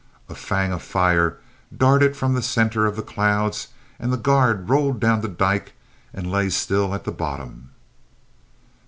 A fang of fire darted from the center of the clouds and the guard rolled down the dyke and lay still at the bottom.